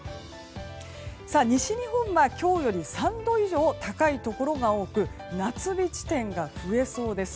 西日本は今日より３度以上高いところが多く夏日地点が増えそうです。